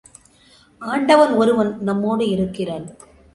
ஆண்டவன் ஒருவன் நம்மோடு இருக்கிறான்.